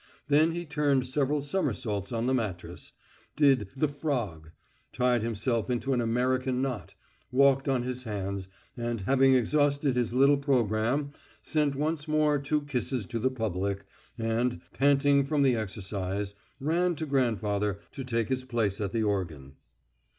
Then he turned several somersaults on the mattress; did "the frog"; tied himself into an American knot; walked on his hands, and having exhausted his little programme sent once more two kisses to the public, and, panting from the exercise, ran to grandfather to take his place at the organ.